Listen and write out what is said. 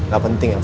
gak penting reina